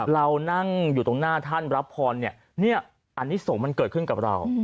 เรานั่งอยู่ตรงหน้าท่านรับพรเนี่ยอันนี้ส่งมันเกิดขึ้นกับเรา